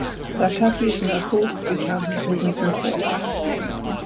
There are curfews and there are calls for recounting the prisoners in the courtyard.